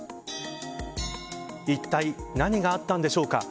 いったい何があったんでしょうか。